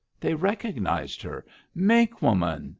They recognized her: Mink Woman!